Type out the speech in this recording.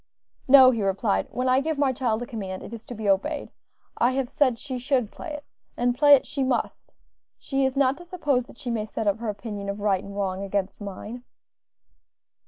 "No," he replied, "when I give my child a command, it is to be obeyed; I have said she should play it, and play it she must; she is not to suppose that she may set up her opinion of right and wrong against mine."